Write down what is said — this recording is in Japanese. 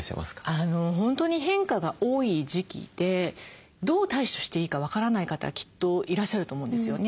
本当に変化が多い時期でどう対処していいか分からない方きっといらっしゃると思うんですよね。